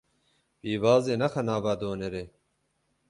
Pîvazê nexe nava donerê.